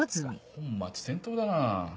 本末転倒だなぁ。